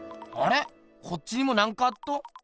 こっちにもなんかあっど。